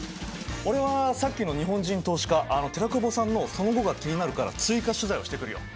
俺はさっきの日本人投資家寺久保さんのその後が気になるから追加取材をしてくるよ。